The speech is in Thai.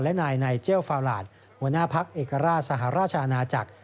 และนายไนเจลฟาหลาดหัวหน้าพักเอกราชสหราชอาณาจักร